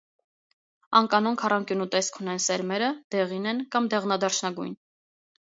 Անկանոն քառանկյունու տեսք ունեն սերմերը, դեղին են կամ դեղնադարչնագույն։